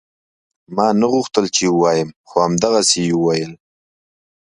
ما نه غوښتل چې ووايم خو همدغسې يې وويل.